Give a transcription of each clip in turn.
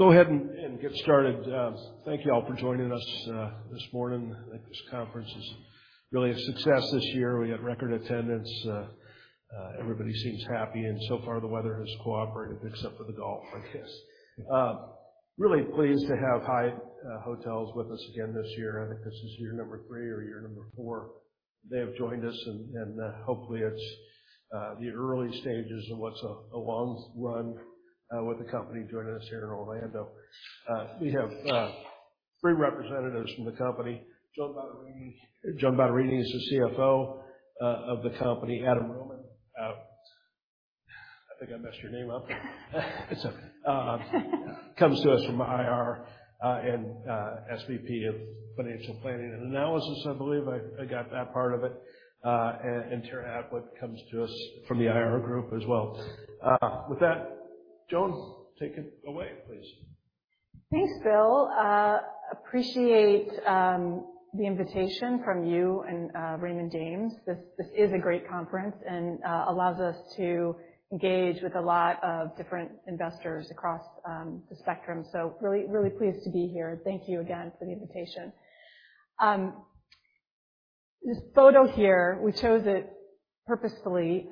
We'll go ahead and get started. Thank you all for joining us this morning. I think this conference is really a success this year. We got record attendance, everybody seems happy, and so far, the weather has cooperated, except for the golf, I guess. Really pleased to have Hyatt Hotels with us again this year. I think this is year number 3 or year number 4. They have joined us, and hopefully it's the early stages of what's a long run with the company joining us here in Orlando. We have 3 representatives from the company. Joan Bottarini. Joan Bottarini is the CFO of the company. Adam Rohman, I think I messed your name up. It's okay. comes to us from IR and SVP of Financial Planning and Analysis. I believe I got that part of it. And Tara Melhus comes to us from the IR group as well. With that, Joan, take it away, please. Thanks, Bill. Appreciate the invitation from you and Raymond James. This is a great conference and allows us to engage with a lot of different investors across the spectrum. So really pleased to be here. Thank you again for the invitation. This photo here, we chose it purposefully.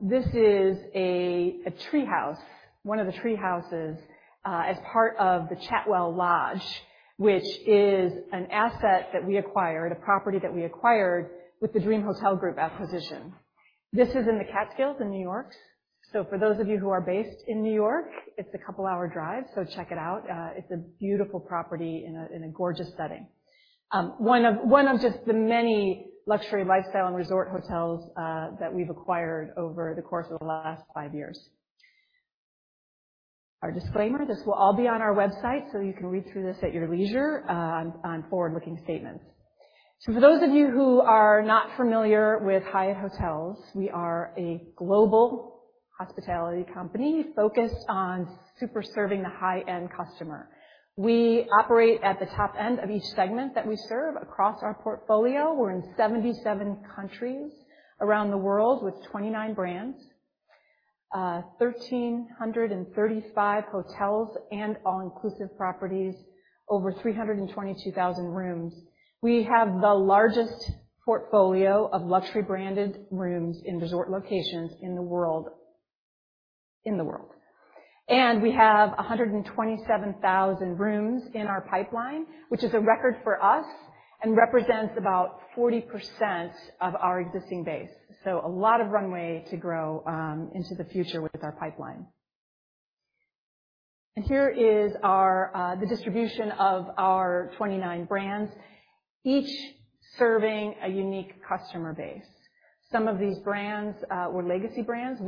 This is a tree house, one of the tree houses, as part of the Chatwal Lodge, which is an asset that we acquired, a property that we acquired with the Dream Hotel Group acquisition. This is in the Catskills in New York. So for those of you who are based in New York, it's a couple hour drive, so check it out. It's a beautiful property in a gorgeous setting. One of just the many luxury lifestyle and resort hotels that we've acquired over the course of the last five years. Our disclaimer, this will all be on our website, so you can read through this at your leisure, on forward-looking statements. So for those of you who are not familiar with Hyatt Hotels, we are a global hospitality company focused on super serving the high-end customer. We operate at the top end of each segment that we serve across our portfolio. We're in 77 countries around the world with 29 brands, 1,335 hotels and all-inclusive properties, over 322,000 rooms. We have the largest portfolio of luxury branded rooms in resort locations in the world. In the world. We have 127,000 rooms in our pipeline, which is a record for us and represents about 40% of our existing base. So a lot of runway to grow into the future with our pipeline. Here is the distribution of our 29 brands, each serving a unique customer base. Some of these brands were legacy brands.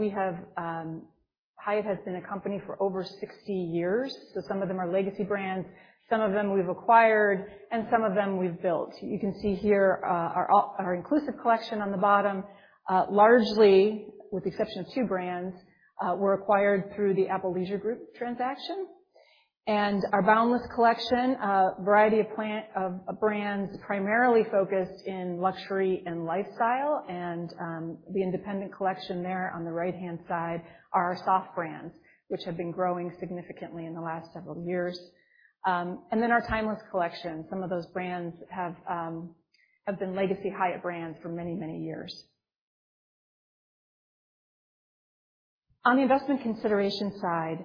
Hyatt has been a company for over 60 years, so some of them are legacy brands, some of them we've acquired, and some of them we've built. You can see here our Inclusive Collection on the bottom, largely, with the exception of two brands, were acquired through the Apple Leisure Group transaction. Our Boundless Collection, a variety of brands primarily focused in luxury and lifestyle. The Independent Collection there on the right-hand side are our soft brands, which have been growing significantly in the last several years. And then our Timeless Collection. Some of those brands have been legacy Hyatt brands for many, many years. On the investment consideration side,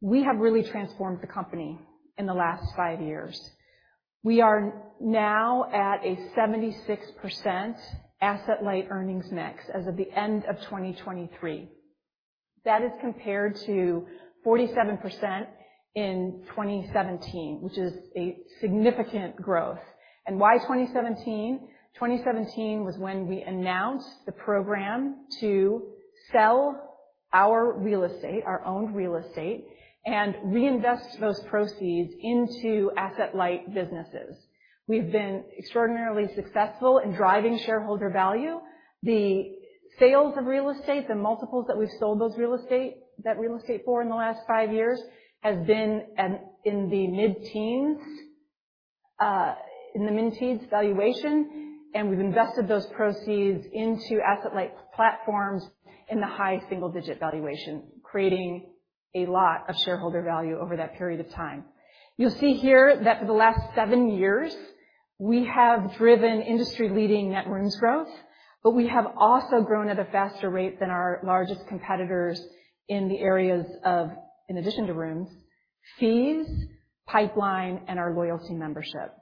we have really transformed the company in the last five years. We are asset-light earnings mix as of the end of 2023. That is compared to 47% in 2017, which is a significant growth. And why 2017? 2017 was when we announced the program to sell our real estate, our own real estate, and reinvest those proceeds into asset-light businesses. We've been extraordinarily successful in driving shareholder value. The sales of real estate, the multiples that we've sold those real estate, that real estate for in the last five years, has been in the mid-teens in the mid-teens valuation, and we've invested those proceeds into asset-light platforms in the high single digit valuation, creating a lot of shareholder value over that period of time. You'll see here that for the last seven years, we have driven industry-leading Net Rooms Growth, but we have also grown at a faster rate than our largest competitors in the areas of, in addition to rooms, fees, Pipeline, and our loyalty membership.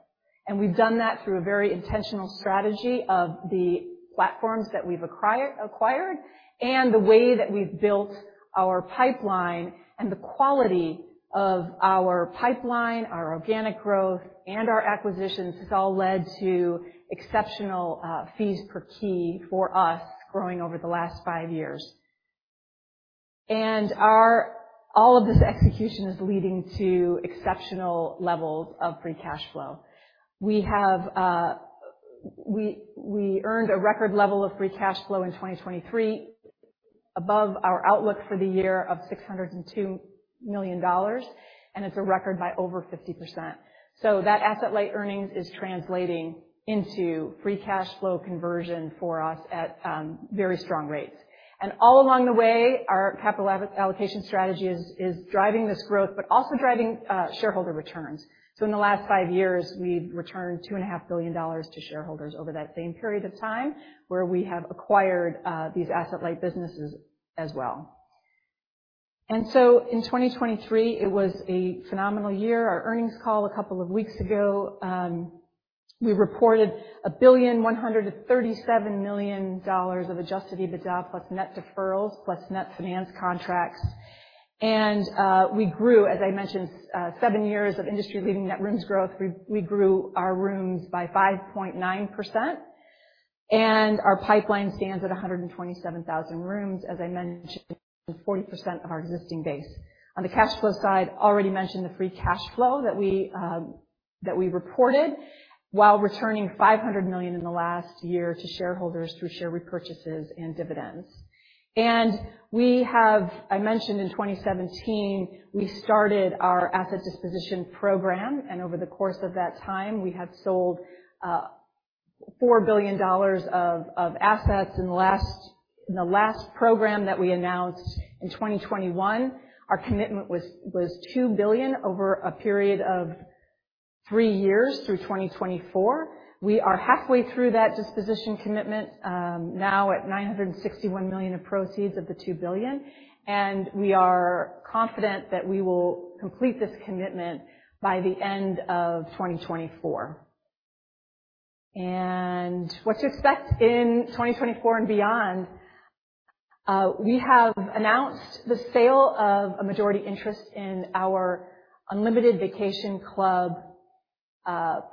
And we've done that through a very intentional strategy of the platforms that we've acquired, acquired, and the way that we've built our pipeline and the quality of our pipeline, our organic growth, and our acquisitions, has all led to exceptional fees per key for us growing over the last five years. And all of this execution is leading to exceptional levels of free cash flow. We have, we, we earned a record level of free cash flow in 2023... above our outlook for the year of $602 million, and it's a record by over 50%. So that asset-light earnings is translating into free cash flow conversion for us at, very strong rates. And all along the way, our capital allocation strategy is, is driving this growth, but also driving, shareholder returns. So in the last five years, we've returned $2.5 billion to shareholders over that same period of time, where we have acquired, these asset-light businesses as well. And so in 2023, it was a phenomenal year. Our earnings call a couple of weeks ago, we reported $1.137 billion of Adjusted EBITDA plus Net Deferrals, plus Net Financed Contracts. And, we grew, as I mentioned, seven years of industry-leading Net Rooms Growth. We, we grew our rooms by 5.9%, and our pipeline stands at 127,000 rooms, as I mentioned, 40% of our existing base. On the cash flow side, already mentioned the free cash flow that we, that we reported, while returning $500 million in the last year to shareholders through share repurchases and dividends. I mentioned in 2017, we started our asset disposition program, and over the course of that time, we have sold $4 billion of assets. In the last program that we announced in 2021, our commitment was $2 billion over a period of three years through 2024. We are halfway through that disposition commitment, now at $961 million of proceeds of the $2 billion. And we are confident that we will complete this commitment by the end of 2024. And what to expect in 2024 and beyond, we have announced the sale of a majority interest in our Unlimited Vacation Club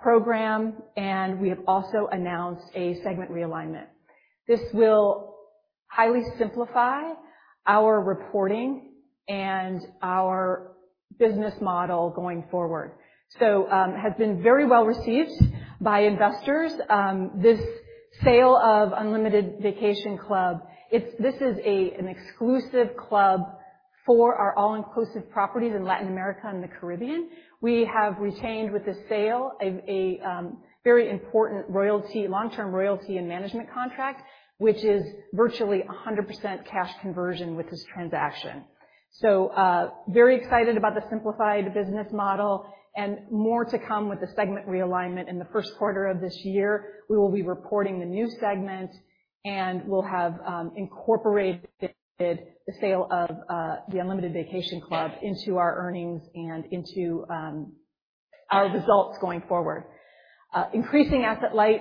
program, and we have also announced a segment realignment. This will highly simplify our reporting and our business model going forward. So, has been very well received by investors. This sale of Unlimited Vacation Club, this is a, an exclusive club for our all-inclusive properties in Latin America and the Caribbean. We have retained with the sale, a, a, very important royalty, long-term royalty and management contract, which is virtually 100% cash conversion with this transaction. So, very excited about the simplified business model, and more to come with the segment realignment. In the first quarter of this year, we will be reporting the new segment, and we'll have, incorporated the sale of, the Unlimited Vacation Club into our earnings and into, our results going asset-light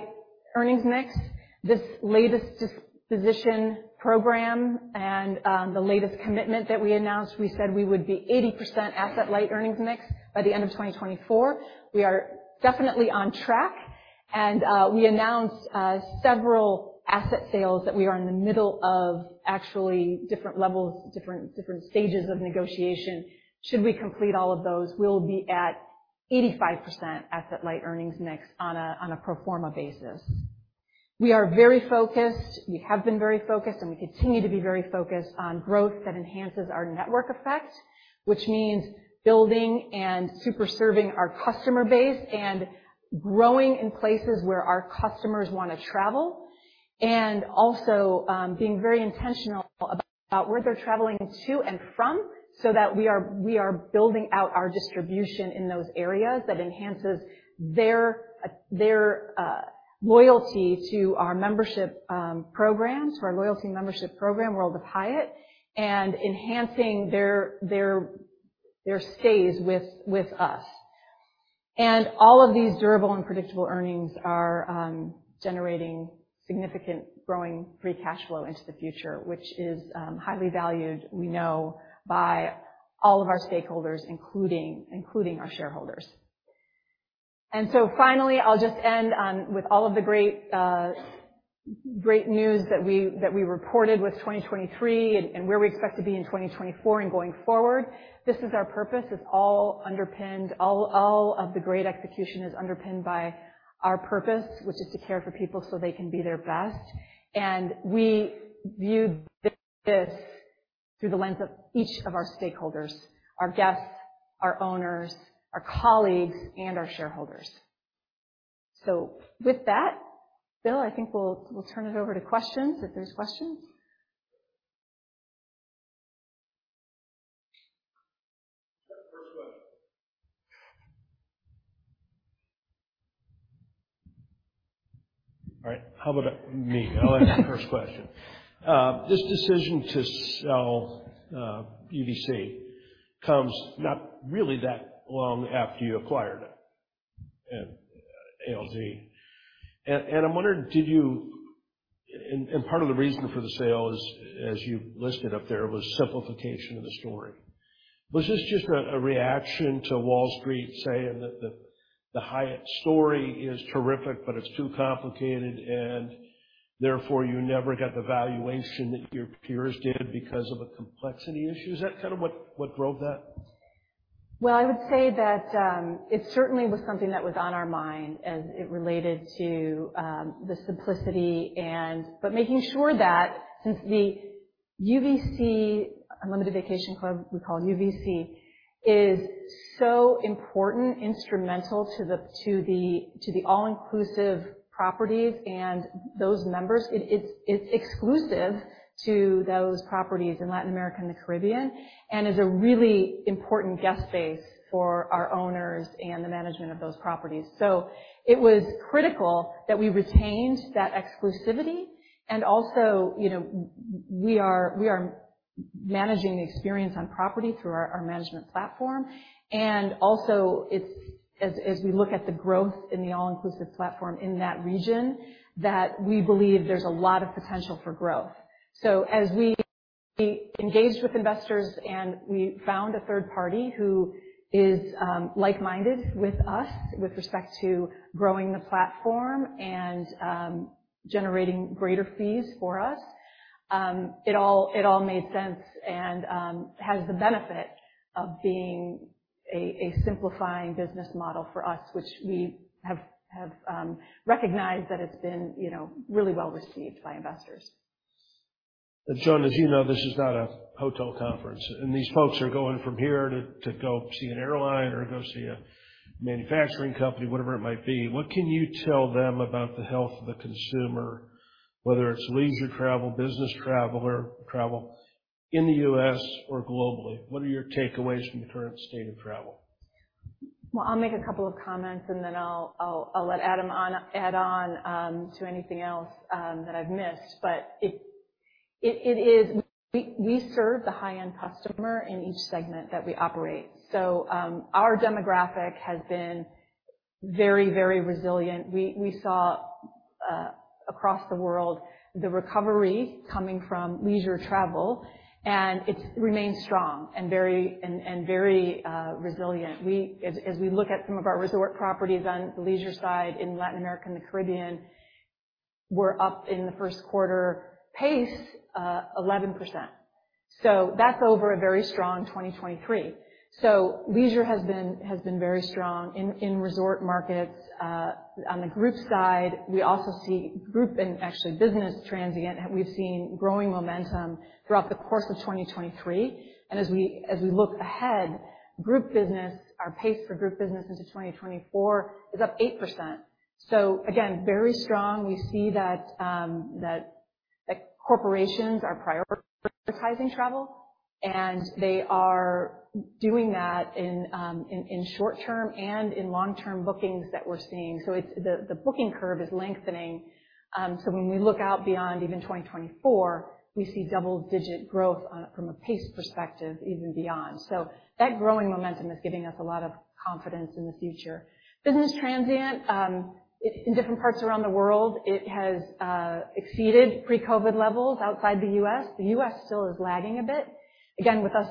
earnings mix, this latest disposition program and, the latest commitment that we announced, we said we would asset-light earnings mix by the end of 2024. We are definitely on track, and we announced several asset sales that we are in the middle of, actually, different levels, different stages of negotiation. Should we complete all of those, we'll be asset-light earnings mix on a pro forma basis. We are very focused, we have been very focused, and we continue to be very focused on growth that enhances our network effect, which means building and super serving our customer base, and growing in places where our customers want to travel. And also, being very intentional about where they're traveling to and from, so that we are building out our distribution in those areas that enhances their loyalty to our membership programs, to our loyalty membership program, World of Hyatt, and enhancing their stays with us. All of these durable and predictable earnings are generating significant growing free cash flow into the future, which is highly valued, we know by all of our stakeholders, including our shareholders. So finally, I'll just end on with all of the great news that we reported with 2023 and where we expect to be in 2024 and going forward. This is our purpose. It's all underpinned. All of the great execution is underpinned by our purpose, which is to care for people so they can be their best. And we view this through the lens of each of our stakeholders, our guests, our owners, our colleagues, and our shareholders. So with that, Bill, I think we'll turn it over to questions, if there's questions? First question. All right, how about me? I'll ask the first question. This decision to sell UVC comes not really that long after you acquired it, ALG. And I'm wondering. And part of the reason for the sale is, as you listed up there, was simplification of the story. Was this just a reaction to Wall Street saying that the Hyatt story is terrific, but it's too complicated, and therefore, you never got the valuation that your peers did because of a complexity issue? Is that kind of what drove that?... Well, I would say that it certainly was something that was on our mind as it related to the simplicity and—but making sure that since the UVC, Unlimited Vacation Club, we call UVC, is so important, instrumental to the all-inclusive properties and those members, it's exclusive to those properties in Latin America and the Caribbean, and is a really important guest base for our owners and the management of those properties. So it was critical that we retained that exclusivity, and also, you know, we are managing the experience on property through our management platform. And also, it's as we look at the growth in the all-inclusive platform in that region, that we believe there's a lot of potential for growth. So as we engaged with investors and we found a third party who is like-minded with us with respect to growing the platform and generating greater fees for us, it all made sense, and has the benefit of being a simplifying business model for us, which we have recognized that it's been, you know, really well received by investors. And Joan, as you know, this is not a hotel conference, and these folks are going from here to go see an airline or go see a manufacturing company, whatever it might be. What can you tell them about the health of the consumer, whether it's leisure travel, business traveler, travel in the U.S. or globally? What are your takeaways from the current state of travel? Well, I'll make a couple of comments, and then I'll let Adam on, add on, to anything else that I've missed. But it is—we serve the high-end customer in each segment that we operate. So, our demographic has been very, very resilient. We saw across the world the recovery coming from leisure travel, and it's remained strong and very resilient. We—as we look at some of our resort properties on the leisure side in Latin America and the Caribbean, we're up in the first quarter pace 11%. So that's over a very strong 2023. So leisure has been very strong in resort markets. On the group side, we also see group and actually business transient; we've seen growing momentum throughout the course of 2023, and as we look ahead, group business, our pace for group business into 2024 is up 8%. So again, very strong. We see that, like, corporations are prioritizing travel, and they are doing that in short term and in long-term bookings that we're seeing. So the booking curve is lengthening. So when we look out beyond even 2024, we see double-digit growth on it from a pace perspective, even beyond. So that growing momentum is giving us a lot of confidence in the future. Business transient in different parts around the world, it has exceeded pre-COVID levels outside the U.S. The U.S. still is lagging a bit. Again, with us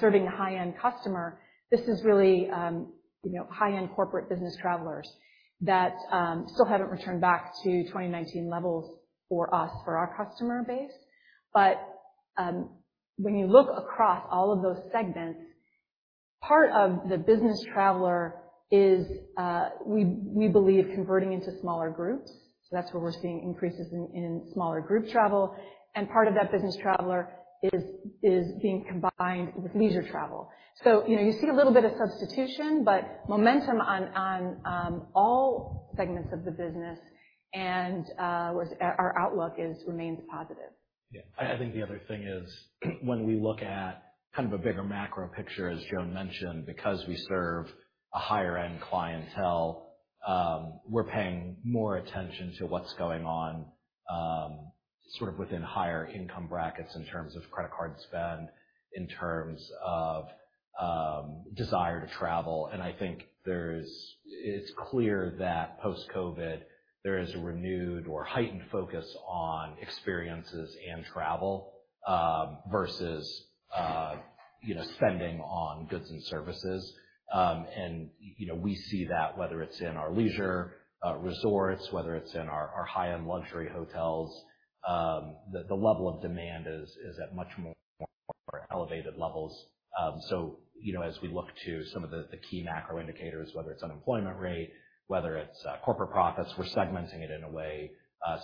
serving a high-end customer, this is really, you know, high-end corporate business travelers that still haven't returned back to 2019 levels for us, for our customer base. But, when you look across all of those segments, part of the business traveler is we believe converting into smaller groups. So that's where we're seeing increases in smaller group travel, and part of that business traveler is being combined with leisure travel. So, you know, you see a little bit of substitution, but momentum on all segments of the business and our outlook remains positive. Yeah. I think the other thing is, when we look at kind of a bigger macro picture, as Joan mentioned, because we serve a higher end clientele, we're paying more attention to what's going on, sort of within higher income brackets in terms of credit card spend, in terms of, desire to travel. And I think there's... It's clear that post-COVID, there is a renewed or heightened focus on experiences and travel, versus, you know, spending on goods and services. And, you know, we see that whether it's in our leisure, resorts, whether it's in our, our high-end luxury hotels, the, the level of demand is, is at much more elevated levels. So, you know, as we look to some of the key macro indicators, whether it's unemployment rate, whether it's corporate profits, we're segmenting it in a way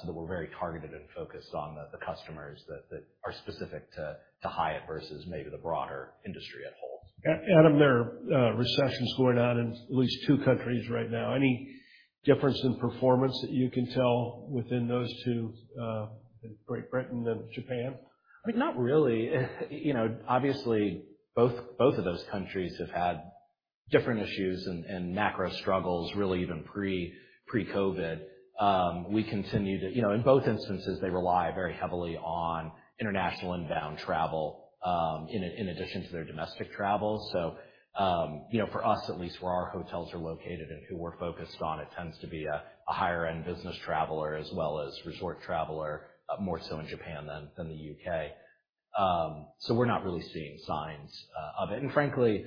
so that we're very targeted and focused on the customers that are specific to Hyatt versus maybe the broader industry as a whole. Adam, there are recessions going on in at least two countries right now. Any difference in performance that you can tell within those two, Great Britain and Japan? I mean, not really. You know, obviously, both of those countries have had different issues and macro struggles, really, even pre-COVID. We continue to... You know, in both instances, they rely very heavily on international inbound travel, in addition to their domestic travel. So, you know, for us, at least where our hotels are located and who we're focused on, it tends to be a higher end business traveler as well as resort traveler, more so in Japan than the U.K. So we're not really seeing signs of it. And frankly,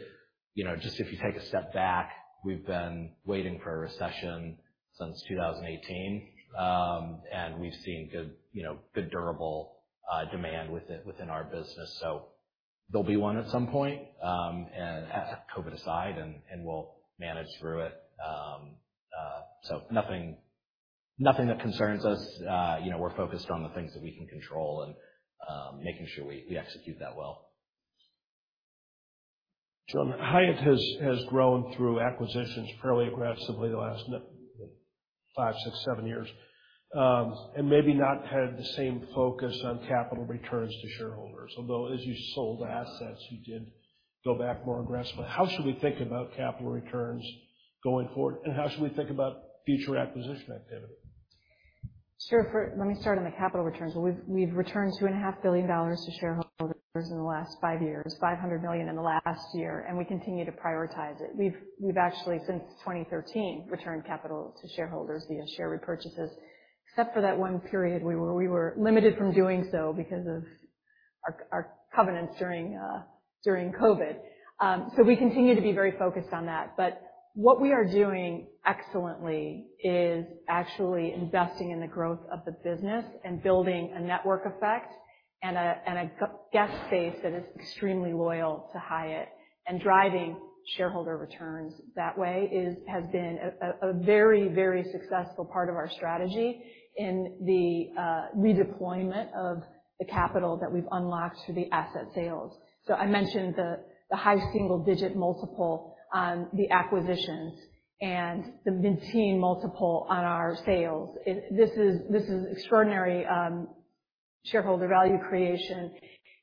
you know, just if you take a step back, we've been waiting for a recession since 2018, and we've seen good, you know, good, durable demand within our business. So there'll be one at some point, and COVID aside, we'll manage through it. So nothing, nothing that concerns us. You know, we're focused on the things that we can control and making sure we execute that well. Joan, Hyatt has grown through acquisitions fairly aggressively the last 5, 6, 7 years. And maybe not had the same focus on capital returns to shareholders, although as you sold assets, you did go back more aggressively. How should we think about capital returns going forward, and how should we think about future acquisition activity? Sure, first, let me start on the capital returns. We've returned $2.5 billion to shareholders in the last five years, $500 million in the last year, and we continue to prioritize it. We've actually, since 2013, returned capital to shareholders via share repurchases. Except for that one period, we were limited from doing so because of our covenants during COVID. So we continue to be very focused on that. But what we are doing excellently is actually investing in the growth of the business and building a network effect and a guest base that is extremely loyal to Hyatt and driving shareholder returns that way has been a very, very successful part of our strategy in the redeployment of the capital that we've unlocked through the asset sales. So I mentioned the high single digit multiple on the acquisitions and the mid-teen multiple on our sales. This is extraordinary shareholder value creation,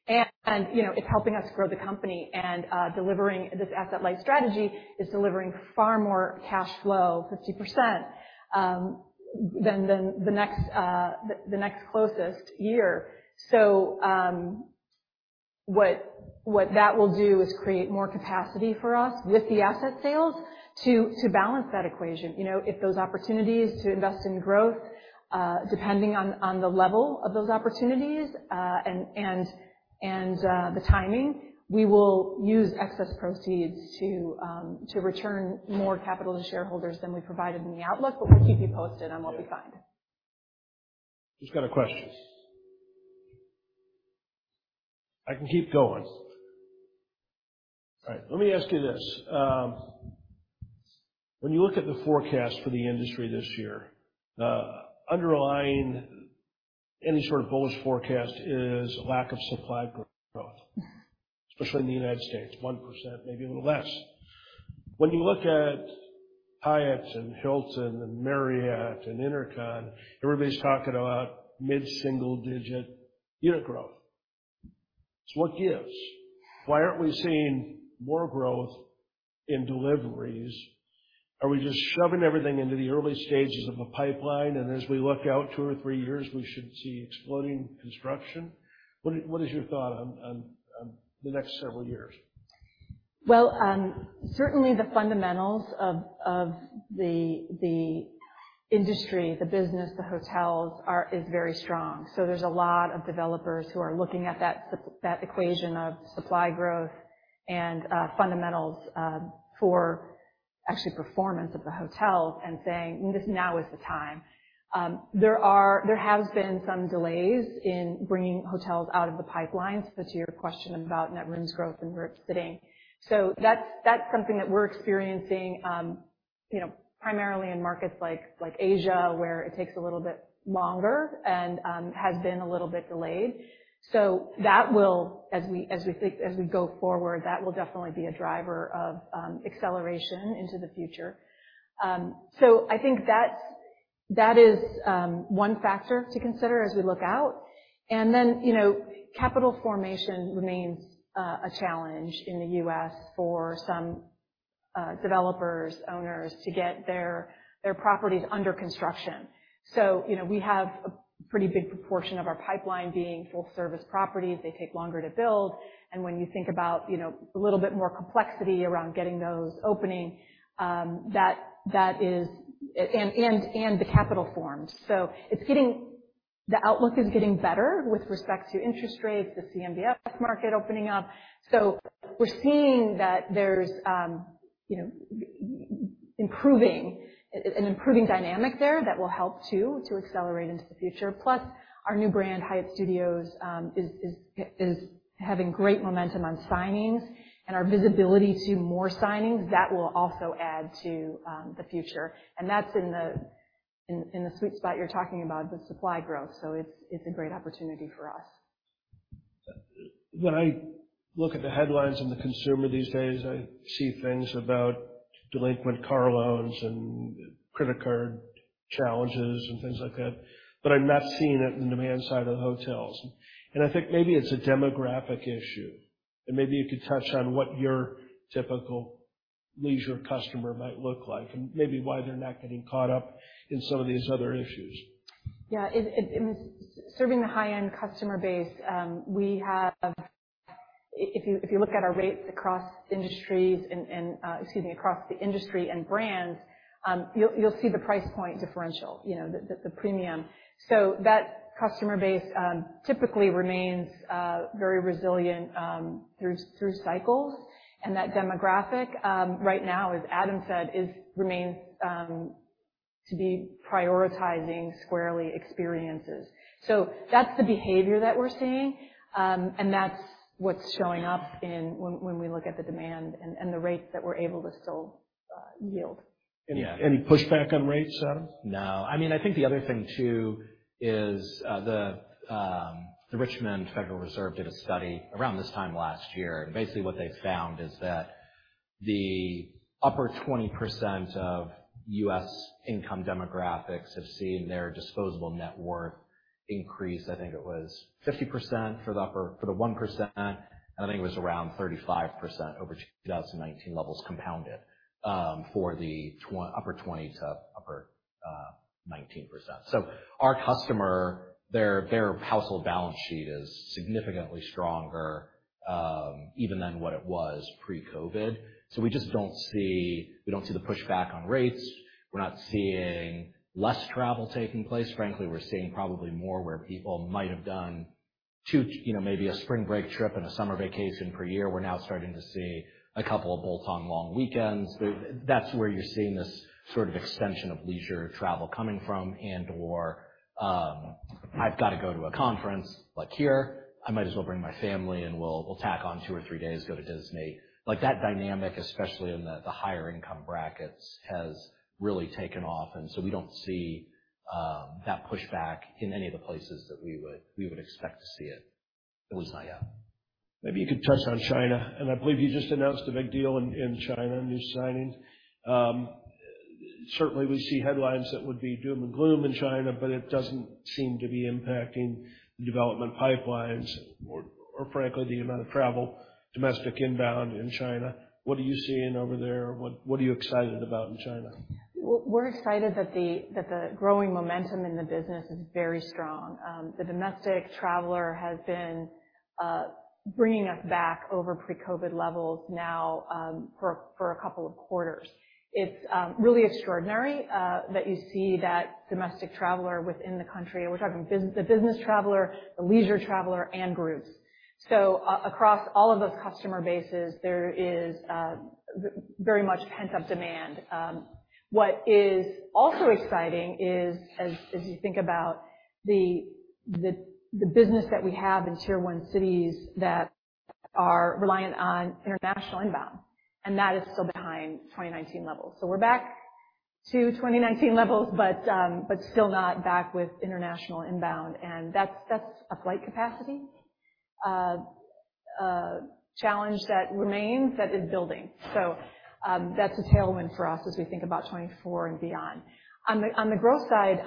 and, you know, it's helping us grow the company and delivering this asset-light strategy is delivering far more cash flow, 50%, than the next closest year. So what that will do is create more capacity for us with the asset sales to balance that equation. You know, if those opportunities to invest in growth, depending on the level of those opportunities and the timing, we will use excess proceeds to return more capital to shareholders than we provided in the outlook, but we'll keep you posted on what we find. Just got a question. I can keep going. All right, let me ask you this: When you look at the forecast for the industry this year, underlying any sort of bullish forecast is lack of supply growth, especially in the United States, 1%, maybe a little less. When you look at Hyatt, Hilton, Marriott, and IHG, everybody's talking about mid-single digit unit growth. So what gives? Why aren't we seeing more growth in deliveries? Are we just shoving everything into the early stages of a pipeline, and as we look out two or three years, we should see exploding construction? What, what is your thought on, on, on the next several years? Well, certainly the fundamentals of the industry, the business, the hotels is very strong. So there's a lot of developers who are looking at that supply that equation of supply growth and fundamentals for actually performance of the hotels and saying, "This now is the time." There have been some delays in bringing hotels out of the Pipeline, so to your question about Net Rooms Growth and where it's sitting. So that's something that we're experiencing, you know, primarily in markets like Asia, where it takes a little bit longer and has been a little bit delayed. So that will, as we think, as we go forward, that will definitely be a driver of acceleration into the future. So I think that's that is one factor to consider as we look out. And then, you know, capital formation remains a challenge in the U.S. for some developers, owners, to get their properties under construction. So, you know, we have a pretty big proportion of our pipeline being full service properties. They take longer to build, and when you think about, you know, a little bit more complexity around getting those opening, that is... And the capital formation. So it's getting; the outlook is getting better with respect to interest rates, the CMBS market opening up. So we're seeing that there's, you know, an improving dynamic there that will help, too, to accelerate into the future. Plus, our new brand, Hyatt Studios, is having great momentum on signings and our visibility to more signings, that will also add to the future. That's in the sweet spot you're talking about, the supply growth. It's a great opportunity for us. When I look at the headlines on the consumer these days, I see things about delinquent car loans and credit card challenges and things like that, but I'm not seeing it in the demand side of the hotels. And I think maybe it's a demographic issue, and maybe you could touch on what your typical leisure customer might look like, and maybe why they're not getting caught up in some of these other issues. Yeah, it was serving the high-end customer base. We have, if you look at our rates across the industry and brands, you'll see the price point differential, you know, the premium. So that customer base typically remains very resilient through cycles. And that demographic right now, as Adam said, remains to be prioritizing squarely experiences. So that's the behavior that we're seeing, and that's what's showing up in when we look at the demand and the rates that we're able to still yield. Any, any pushback on rates, Adam? No. I mean, I think the other thing, too, is the Federal Reserve Bank of Richmond did a study around this time last year, and basically, what they found is that the upper 20% of U.S. income demographics have seen their disposable net worth increase. I think it was 50% for the upper for the 1%, and I think it was around 35% over 2019 levels compounded for the upper 20 to upper 99%. So our customer, their, their household balance sheet is significantly stronger even than what it was pre-COVID. So we just don't see, we don't see the pushback on rates. We're not seeing less travel taking place. Frankly, we're seeing probably more where people might have done two, you know, maybe a spring break trip and a summer vacation per year. We're now starting to see a couple of bolt-on long weekends. That's where you're seeing this sort of extension of leisure travel coming from, and/or, I've got to go to a conference, like here, I might as well bring my family, and we'll tack on two or three days, go to Disney. Like, that dynamic, especially in the higher income brackets, has really taken off, and so we don't see that pushback in any of the places that we would expect to see it. It was high up. Maybe you could touch on China, and I believe you just announced a big deal in China, a new signing. Certainly, we see headlines that would be doom and gloom in China, but it doesn't seem to be impacting the development pipelines or frankly, the amount of travel, domestic inbound in China. What are you seeing over there? What are you excited about in China? We're excited that the growing momentum in the business is very strong. The domestic traveler has been bringing us back over pre-COVID levels now, for a couple of quarters. It's really extraordinary that you see that domestic traveler within the country. We're talking the business traveler, the leisure traveler, and groups. So across all of those customer bases, there is very much pent-up demand. What is also exciting is, as you think about the business that we have in Tier One cities that are reliant on international inbound, and that is still behind 2019 levels. So we're back to 2019 levels, but still not back with international inbound, and that's a flight capacity challenge that remains, that is building. So, that's a tailwind for us as we think about 2024 and beyond. On the growth side,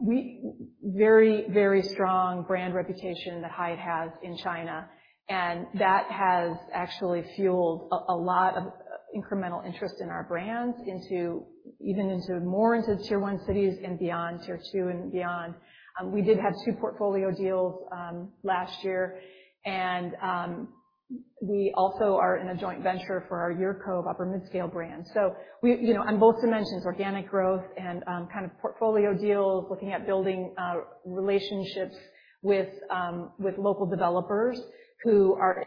we very, very strong brand reputation that Hyatt has in China, and that has actually fueled a lot of incremental interest in our brands into, even into more into Tier One cities and beyond Tier Two and beyond. We did have two portfolio deals last year, and we also are in a joint venture for our UrCove upper midscale brand. So we, you know, on both dimensions, organic growth and kind of portfolio deals, looking at building relationships with local developers who are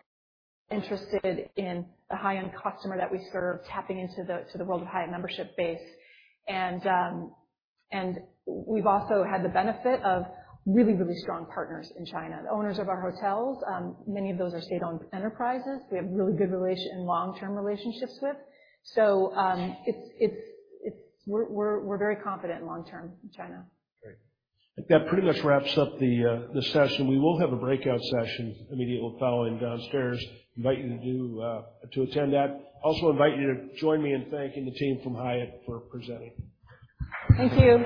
interested in the high-end customer that we serve, tapping into the world of Hyatt membership base. And we've also had the benefit of really, really strong partners in China. The owners of our hotels, many of those are state-owned enterprises. We have really good long-term relationships with. So, we're very confident long term in China. Great. That pretty much wraps up the session. We will have a breakout session immediately following downstairs. Invite you to to attend that. Also invite you to join me in thanking the team from Hyatt for presenting. Thank you.